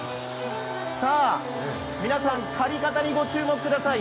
皆さん、刈り方にご注目ください。